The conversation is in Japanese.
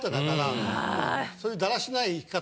そういうだらしない生き方。